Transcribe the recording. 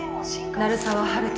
鳴沢温人